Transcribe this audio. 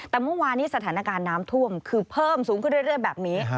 แต่เมื่อวานนี้สถานการณ์น้ำท่วมคือเพิ่มสูงขึ้นเรื่อยแบบนี้